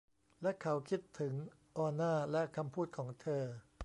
และเขาคิดถึง ออน่าและคำพูดของเธอ